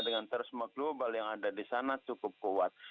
dengan terorisme global yang ada di sana cukup kuat